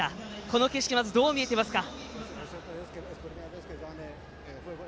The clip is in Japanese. この景色、どう見えていますか？